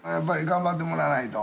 頑張ってもらわないと。